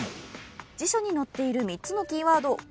辞書に載っている３つのキーワード